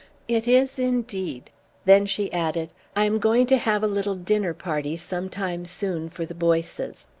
"It is indeed." Then she added: "I am going to have a little dinner party some time soon for the Boyces.